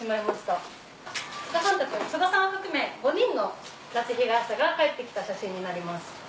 曽我さんを含め５人の拉致被害者が帰って来た写真になります。